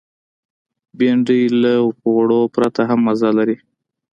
بېنډۍ له غوړو پرته هم مزه لري